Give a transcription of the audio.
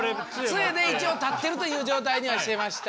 つえで一応立ってるという状態にはしてました。